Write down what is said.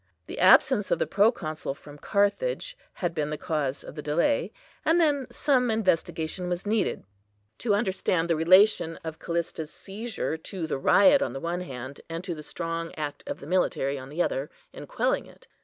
The absence of the Proconsul from Carthage had been the cause of the delay; and then, some investigation was needed to understand the relation of Callista's seizure to the riot on the one hand, and to the strong act of the military on the other, in quelling it.